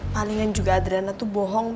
palingan juga adriana tuh bohong